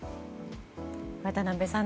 渡辺さん